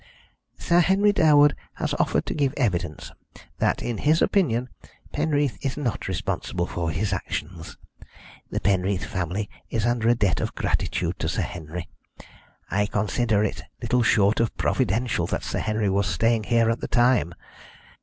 "Sir Henry Durwood has offered to give evidence that, in his opinion, Penreath is not responsible for his actions. The Penreath family is under a debt of gratitude to Sir Henry. I consider it little short of providential that Sir Henry was staying here at the time."